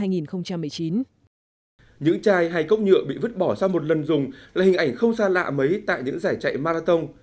những chai hay cốc nhựa bị vứt bỏ sau một lần dùng là hình ảnh không xa lạ mấy tại những giải chạy marathon